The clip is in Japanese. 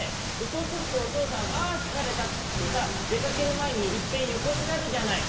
「そうするとおとうさんああつかれたっていってさでかけるまえにいっぺんよこになるじゃない」。